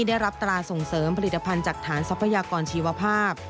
ได้รับตราส่งเสริมผลิตภัณฑ์จากฐานทรัพยากรชีวภาพ